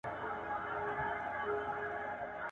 • چي گړنگ مي څڅېده، چي خداى را کړه ستا ئې څه.